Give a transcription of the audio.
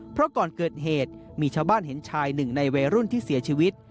เพราะก่อนเกิดเหตุมีชาวบ้านเห็นชายหนึ่งในวัยรุ่นที่เสียชีวิต